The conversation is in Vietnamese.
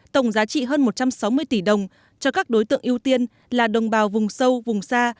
tổng giá trị hơn một trăm sáu mươi tỷ đồng cho các đối tượng ưu tiên là đồng bào vùng sâu vùng xa